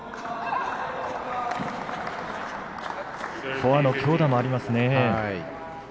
フォアの強打がありますね。